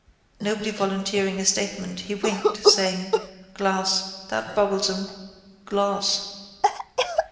Nobody volunteering a statement he winked, saying: —Glass. That boggles 'em. Glass.